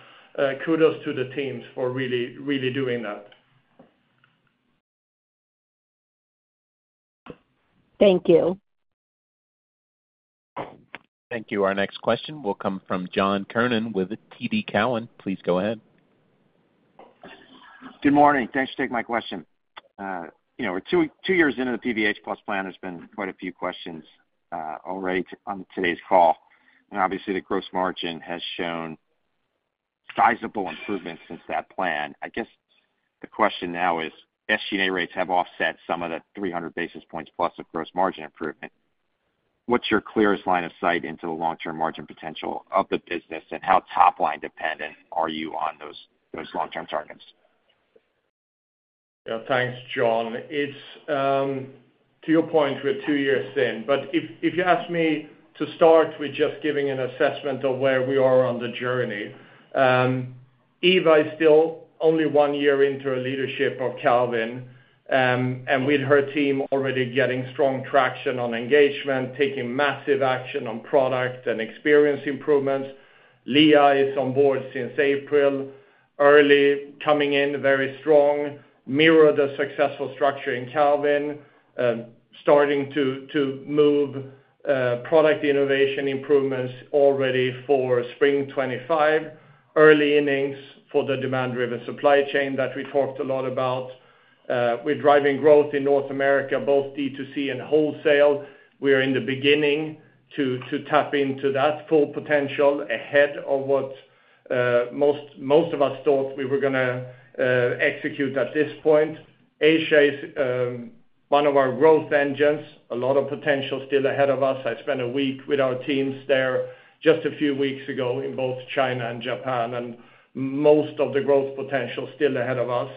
Speaker 3: kudos to the teams for really, really doing that.
Speaker 9: Thank you.
Speaker 1: Thank you. Our next question will come from John Kernan with TD Cowen. Please go ahead.
Speaker 10: Good morning. Thanks for taking my question. You know, we're two, two years into the PVH + Plan. There's been quite a few questions already on today's call, and obviously, the gross margin has shown sizable improvements since that plan. I guess, the question now is, SG&A rates have offset some of the 300 basis points plus of gross margin improvement. What's your clearest line of sight into the long-term margin potential of the business, and how top line dependent are you on those, those long-term targets?
Speaker 3: Yeah, thanks, John. It's to your point, we're two years in, but if you ask me to start with just giving an assessment of where we are on the journey, Eva is still only one year into her leadership of Calvin, and with her team already getting strong traction on engagement, taking massive action on product and experience improvements. Lea is on board since early April, coming in very strong, mirror the successful structure in Calvin, starting to move product innovation improvements already for spring 2025, early innings for the demand-driven supply chain that we talked a lot about. We're driving growth in North America, both D2C and wholesale. We are in the beginning to tap into that full potential ahead of what most of us thought we were gonna execute at this point. Asia is one of our growth engines, a lot of potential still ahead of us. I spent a week with our teams there just a few weeks ago in both China and Japan, and most of the growth potential still ahead of us.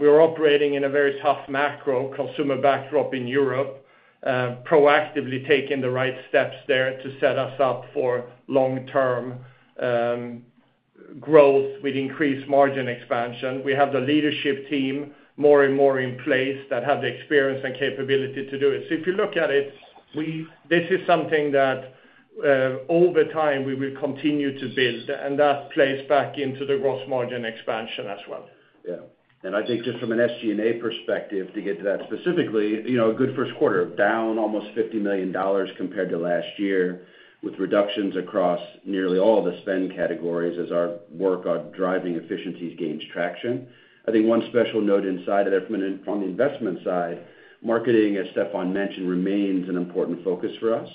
Speaker 3: We're operating in a very tough macro consumer backdrop in Europe, proactively taking the right steps there to set us up for long-term growth with increased margin expansion. We have the leadership team more and more in place that have the experience and capability to do it. So if you look at it, this is something that over time, we will continue to build, and that plays back into the gross margin expansion as well.
Speaker 4: Yeah. And I think just from an SG&A perspective, to get to that specifically, you know, a good first quarter, down almost $50 million compared to last year, with reductions across nearly all the spend categories as our work on driving efficiencies gains traction. I think one special note inside of that, on the investment side, marketing, as Stefan mentioned, remains an important focus for us,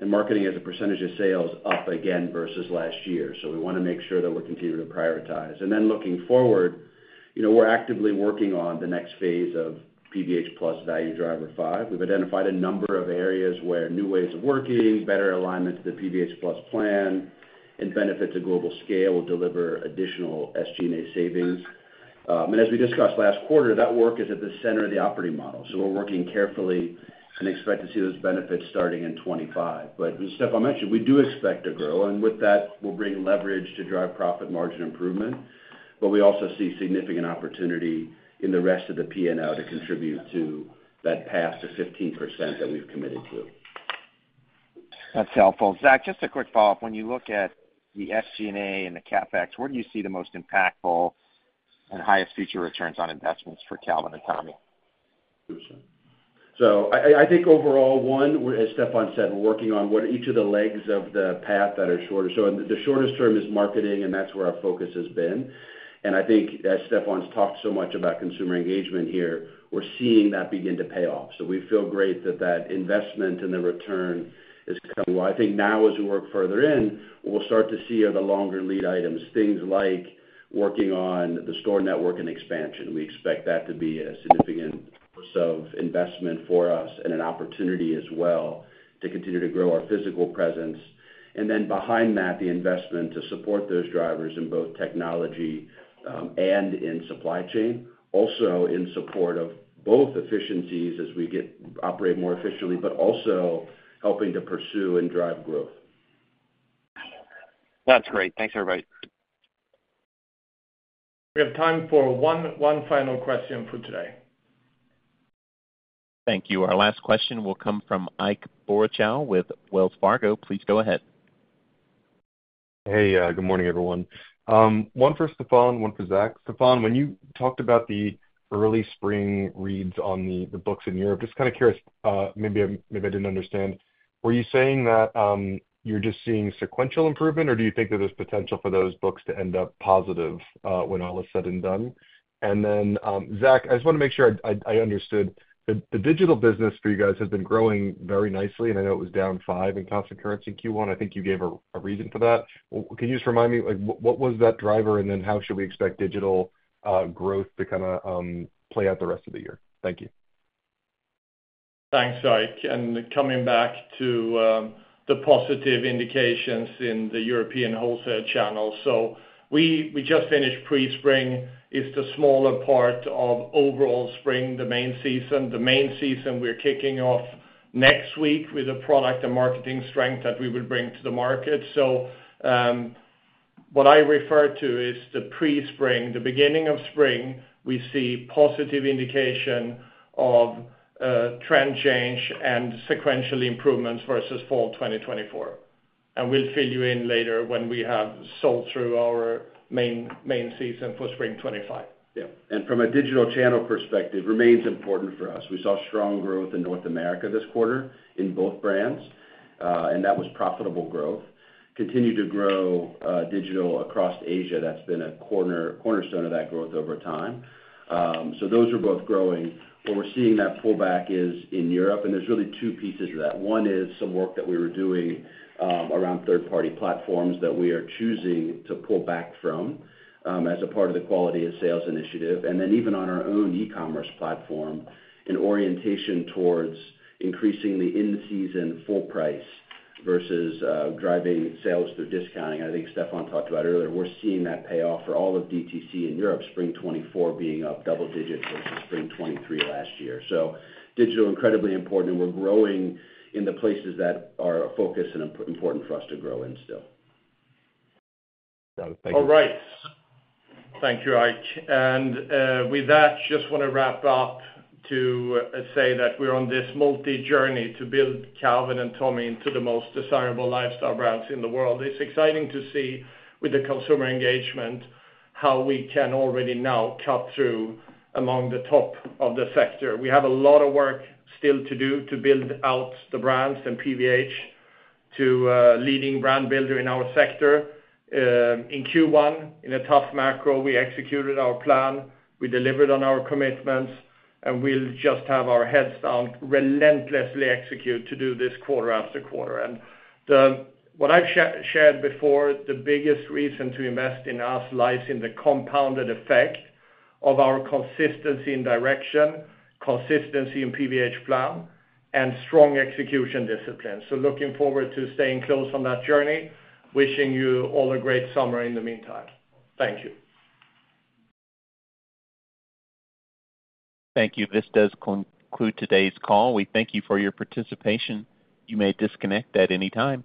Speaker 4: and marketing as a percentage of sales, up again versus last year. So we want to make sure that we're continuing to prioritize. And then looking forward, you know, we're actively working on the next phase of PVH+ Value Driver Five. We've identified a number of areas where new ways of working, better alignment to the PVH + plan, and benefit to global scale will deliver additional SG&A savings. And as we discussed last quarter, that work is at the center of the operating model, so we're working carefully and expect to see those benefits starting in 2025. But as Stefan mentioned, we do expect to grow, and with that, we'll bring leverage to drive profit margin improvement, but we also see significant opportunity in the rest of the P&L to contribute to that path to 15% that we've committed to.
Speaker 10: That's helpful. Zach, just a quick follow-up. When you look at the SG&A and the CapEx, where do you see the most impactful and highest future returns on investments for Calvin and Tommy?
Speaker 4: So, I think overall, one, as Stefan said, we're working on what each of the legs of the path that are shorter. So the shortest term is marketing, and that's where our focus has been. And I think as Stefan's talked so much about consumer engagement here, we're seeing that begin to pay off. So we feel great that that investment and the return is coming. Well, I think now, as we work further in, we'll start to see the longer lead items, things like working on the store network and expansion. We expect that to be a significant source of investment for us and an opportunity as well to continue to grow our physical presence. And then behind that, the investment to support those drivers in both technology and in supply chain, also in support of both efficiencies as we operate more efficiently, but also helping to pursue and drive growth.
Speaker 10: That's great. Thanks, everybody.
Speaker 3: We have time for one final question for today.
Speaker 1: Thank you. Our last question will come from Ike Boruchow with Wells Fargo. Please go ahead.
Speaker 11: Hey, good morning, everyone. One for Stefan, one for Zach. Stefan, when you talked about the early spring reads on the, the books in Europe, just kind of curious, maybe, maybe I didn't understand. Were you saying that, you're just seeing sequential improvement, or do you think that there's potential for those books to end up positive, when all is said and done? And then, Zach, I just wanna make sure I, I understood. The, the digital business for you guys has been growing very nicely, and I know it was down 5% in constant currency in Q1. I think you gave a, a reason for that. Can you just remind me, like, what was that driver, and then how should we expect digital, growth to kinda, play out the rest of the year? Thank you.
Speaker 3: Thanks, Ike. And coming back to the positive indications in the European wholesale channel. So we, we just finished pre-spring. It's the smaller part of overall spring, the main season. The main season, we're kicking off next week with a product and marketing strength that we will bring to the market. So, what I refer to is the pre-spring. The beginning of spring, we see positive indication of trend change and sequential improvements versus fall 2024, and we'll fill you in later when we have sold through our main, main season for spring 2025.
Speaker 4: Yeah, from a digital channel perspective, it remains important for us. We saw strong growth in North America this quarter in both brands, and that was profitable growth. Continued to grow digital across Asia. That's been a cornerstone of that growth over time. So those are both growing. Where we're seeing that pullback is in Europe, and there's really two pieces to that. One is some work that we were doing around third-party platforms that we are choosing to pull back from as a part of the quality of sales initiative, and then even on our own e-commerce platform, an orientation towards increasing the in-the-season full price versus driving sales through discounting. I think Stefan talked about earlier, we're seeing that pay off for all of DTC in Europe, spring 2024 being up double digits versus spring 2023 last year. Digital, incredibly important, and we're growing in the places that are a focus and important for us to grow in still.
Speaker 11: Thank you.
Speaker 3: All right. Thank you, Ike. And, with that, just wanna wrap up to say that we're on this multi journey to build Calvin and Tommy into the most desirable lifestyle brands in the world. It's exciting to see, with the consumer engagement, how we can already now cut through among the top of the sector. We have a lot of work still to do to build out the brands and PVH to a leading brand builder in our sector. In Q1, in a tough macro, we executed our plan, we delivered on our commitments, and we'll just have our heads down, relentlessly execute to do this quarter after quarter. And what I've shared before, the biggest reason to invest in us lies in the compounded effect of our consistency in direction, consistency in PVH plan, and strong execution discipline. Looking forward to staying close on that journey. Wishing you all a great summer in the meantime. Thank you.
Speaker 1: Thank you. This does conclude today's call. We thank you for your participation. You may disconnect at any time.